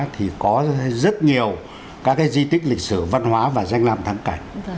thì có rất nhiều các di tích lịch sử văn hóa và danh làm thắng cảnh